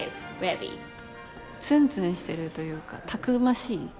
ツンツンしてるというかたくましい。